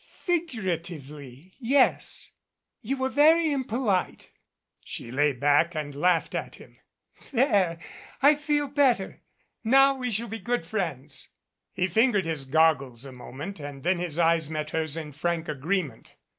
"Er figuratively, yes. You were very impolite." She lay back and laughed at him. "There I feel better. Now we shall be good friends." He fingered his goggles a moment, and then his eyes met hers in frank agreement.